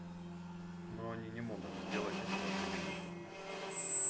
Но они не могут сделать этого в одиночку.